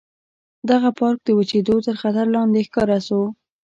دغه پارک د وچېدو تر خطر لاندې ښکاره شو.